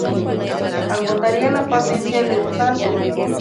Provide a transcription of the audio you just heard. agotaría la paciencia de un santo